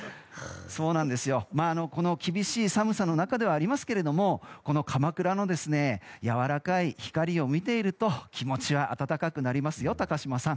この厳しい寒さの中ではありますがかまくらのやわらかい光を見ていると気持ちは温かくなりますよ高島さん。